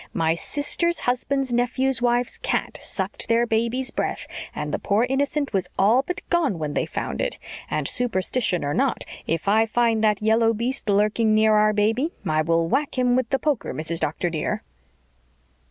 My sister's husband's nephew's wife's cat sucked their baby's breath, and the poor innocent was all but gone when they found it. And superstition or not, if I find that yellow beast lurking near our baby I will whack him with the poker, Mrs. Doctor, dear."